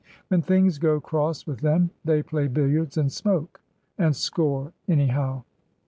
When things go cross with them they play billiards and smoke — and score anyhow.